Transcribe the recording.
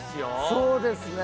そうですね。